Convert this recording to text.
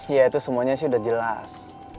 ya itu semuanya sih sudah jelas